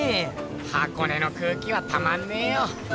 箱根の空気はたまんねぇよ。